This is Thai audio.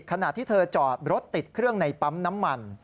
ขณะที่เธอจอดรถติดเครื่องในปั๊มน้ำมัน